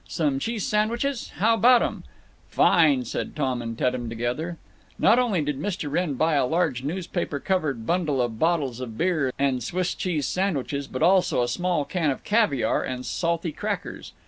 Some cheese sandwiches? How about 'em?" "Fine," said Tom and Teddem together. Not only did Mr. Wrenn buy a large newspaper covered bundle of bottles of beer and Swiss cheese sandwiches, but also a small can of caviar and salty crackers.